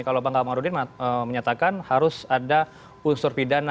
kalau bang kamarudin menyatakan harus ada unsur pidana